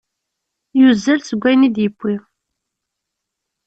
Yuzzel seg ayen i d-yewwi.